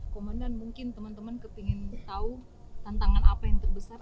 komandan mungkin teman teman kepingin tahu tantangan apa yang terbesar